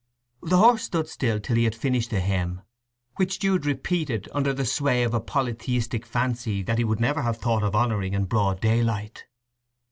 The horse stood still till he had finished the hymn, which Jude repeated under the sway of a polytheistic fancy that he would never have thought of humouring in broad daylight.